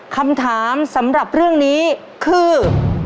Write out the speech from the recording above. คำถามสำหรับเรื่องนี้คือ